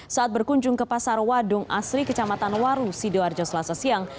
saat berkunjung ke pasar wadung asri kecamatan waru sidoarjo selasa siang